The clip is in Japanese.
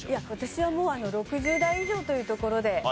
私はもう６０代以上というところで。